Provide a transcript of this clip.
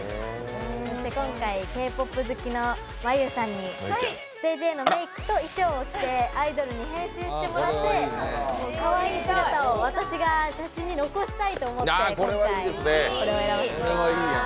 そして今回、Ｋ−ＰＯＰ好きの真悠さんにｓｔａｇｅＡの衣装を着てアイドルに変身してもらって、かわいい姿を私が写真に残したいと思って、今回。